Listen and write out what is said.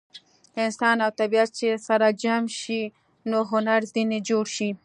انسان او طبیعت چې سره جمع شي نو هنر ځینې جوړ شي.